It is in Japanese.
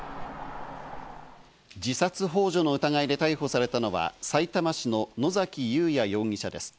自殺ほう助の疑いで逮捕されたのはさいたま市の野崎祐也容疑者です。